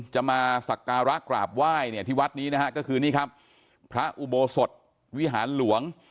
จะมาสักการะกราบไหว้เนี่ยที่วัดนี้นะฮะก็คือนี่ครับพระอุโบสถวิหารหลวง